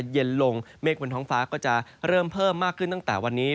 เย็นลงเมฆบนท้องฟ้าก็จะเริ่มเพิ่มมากขึ้นตั้งแต่วันนี้